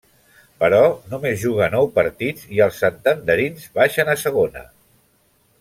Però, només juga nou partits i els santanderins baixen a Segona.